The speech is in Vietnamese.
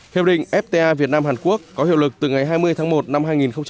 hiệp định fta việt nam hàn quốc có hiệu lực từ ngày hai mươi tháng một năm hai nghìn hai mươi